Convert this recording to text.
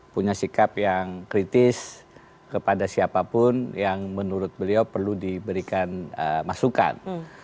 punya sikap yang kritis kepada siapapun yang menurut beliau perlu diberikan masukan